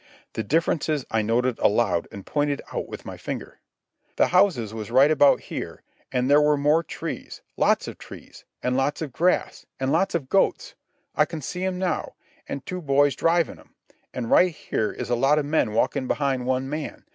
The differences I noted aloud and pointed out with my finger. "The houses was about right here, and there was more trees, lots of trees, and lots of grass, and lots of goats. I can see 'em now, an' two boys drivin' 'em. An' right here is a lot of men walkin' behind one man.